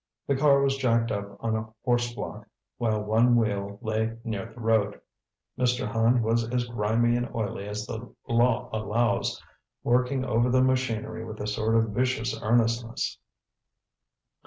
The car was jacked up on a horse block, while one wheel lay near the road. Mr. Hand was as grimy and oily as the law allows, working over the machinery with a sort of vicious earnestness.